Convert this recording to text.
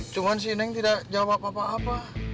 cuma si neng tidak jawab apa apa